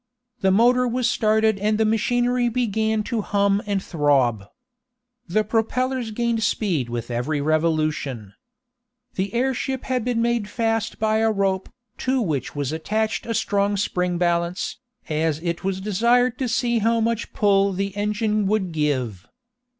The motor was started and the machinery began to hum and throb. The propellers gained speed with every revolution. The airship had been made fast by a rope, to which was attached a strong spring balance, as it was desired to see how much pull the engine would give.